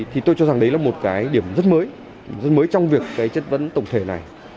thì tôi cho rằng đấy là một cái điểm rất mới rất mới trong việc cái chất vấn tổng thể này